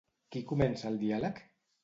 Qui comença el diàleg?